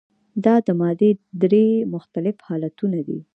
دا د مادې درې مختلف حالتونه دي.